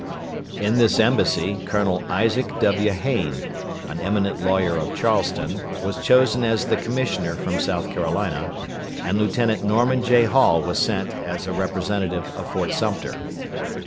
In this embassy, Colonel Isaac W. Hayne, an eminent lawyer of Charleston, was chosen as the commissioner from South Carolina, and Lieutenant Norman J. Hall was sent as a representative of Fort Sumter.